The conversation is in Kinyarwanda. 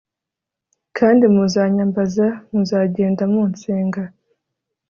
kandi muzanyambaza, muzagenda munsenga